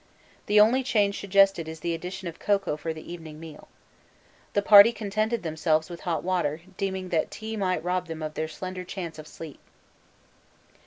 The only change suggested is the addition of cocoa for the evening meal. The party contented themselves with hot water, deeming that tea might rob them of their slender chance of sleep.